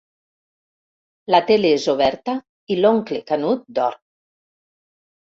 La tele és oberta i l'oncle Canut dorm.